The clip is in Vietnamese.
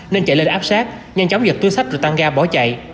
nên chạy lên áp sát nhanh chóng giật túi sách rồi tăng ga bỏ chạy